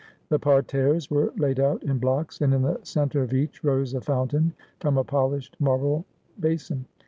The parterres were laid out in blocks, and in the centre of each rose a fountain from a polished marble basin.